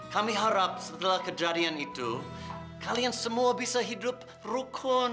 kami harap setelah kejadian itu kalian semua bisa hidup rukun